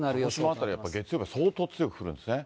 広島辺り、やっぱり月曜日、相当強く降るんですね。